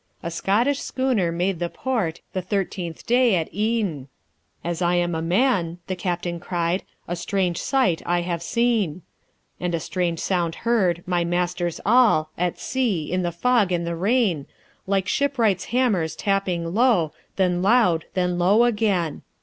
"A Scottish schooner made the port The thirteenth day at e'en: 'As I am a man,' the captain cried, 'A strange sight I have seen; "'And a strange sound heard, my masters all, At sea, in the fog and the rain, Like shipwrights' hammers tapping low, Then loud, then low again.